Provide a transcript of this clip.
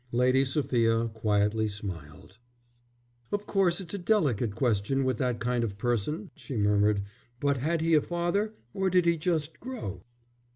Lady Sophia quietly smiled. "Of course, it's a delicate question with that kind of person," she murmured. "But had he a father, or did he just grow?"